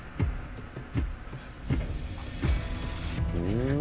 うん！